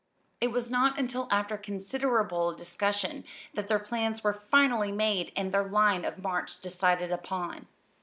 It was not until after considerable discussion that their plans were finally made and their line of march decided upon.